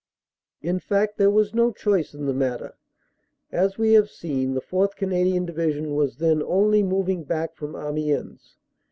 In fact there was no choice in the matter. As we have seen, the 4th. Canadian Division was then only moving back from Amiens.